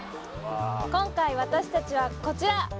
今回私達はこちら！